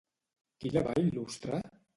Qui la va il·lustrar?